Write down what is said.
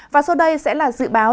và sau đây sẽ là dự báo